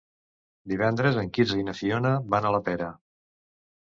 Divendres en Quirze i na Fiona van a la Pera.